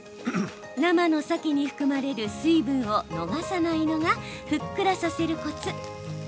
生のサケに含まれる水分を逃さないのがふっくらさせるコツ。